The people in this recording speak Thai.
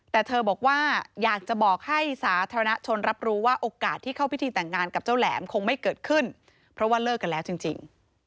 แต่เธอบอกว่าอยากจะบอกให้สาธารณชนรับรู้ว่าโอกาสที่เข้าพิธีแต่งงานกับเจ้าแหลมคงไม่เกิดขึ้นเพราะว่าเลิกกันแล้วจริง